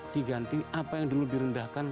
diganti apa yang dulu direndahkan